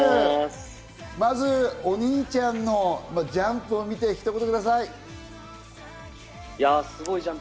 まずお兄ちゃんのジャンプを見て一言ください。